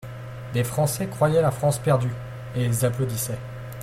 Des Français croyaient la France perdue, et ils applaudissaient.